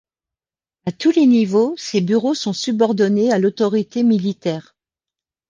À tous les niveaux, ces bureaux sont subordonnés à l’autorité militaire.